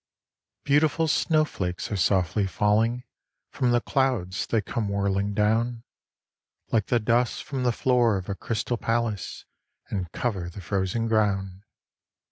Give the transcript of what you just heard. Beautiful snowflakes are softly falling, From the clouds they come whirling down, Like the dust from the floor of a crystal palace, And cover the frozen ground.